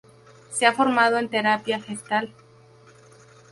Se ha formado en Terapia Gestalt.